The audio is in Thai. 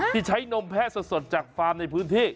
ที่ใช้นมแพะสดจากฟาร์มในพื้นที่